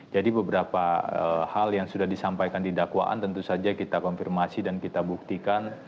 jadi beberapa hal yang sudah disampaikan di dakwaan tentu saja kita konfirmasi dan kita buktikan